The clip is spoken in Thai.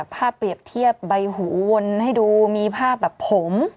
อือภาพเปรียบเทียบใบหูวนให้ดูมีภาพผม